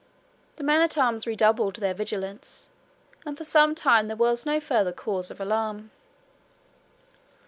The men at arms redoubled their vigilance, and for some time there was no further cause of alarm.